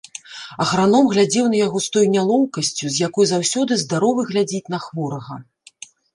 Аграном глядзеў на яго з той нялоўкасцю, з якой заўсёды здаровы глядзіць на хворага.